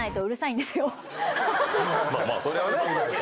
まあまあそれはね。